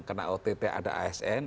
karena ott ada asn